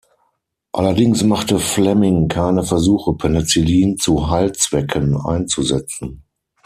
Allerdings machte Fleming keine Versuche, Penicillin zu Heilzwecken einzusetzen.